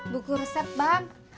buku resep bang